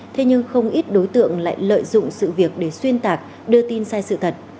thế nhưng không ít đối tượng lại lợi dụng sự việc để xuyên tạc đưa tin sai sự thật